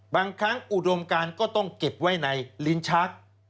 บางครั้งอุดมการก็ต้องเก็บไว้ในลิ้นชัก